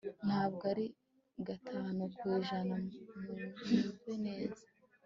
ntabwo ari gatanu ku ijana munyumve neza